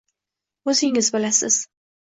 Oʻzingiz bilasiz.